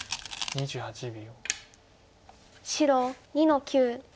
２８秒。